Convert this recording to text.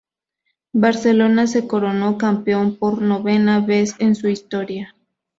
Barcelona se coronó campeón por novena vez en su historia.